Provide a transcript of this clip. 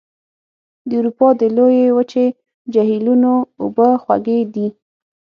د اروپا د لویې وچې جهیلونو اوبه خوږې دي.